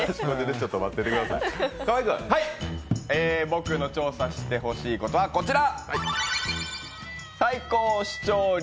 僕の調査してほしいことはこちら！